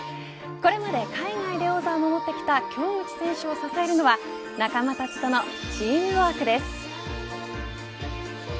これまで海外で王座を守ってきた京口選手を支えるのは仲間たちとのチームワークです。